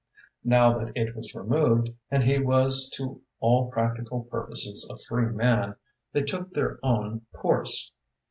Now that it was removed and he was to all practical purposes a free man, they took their own course.